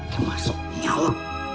ya masuk nyala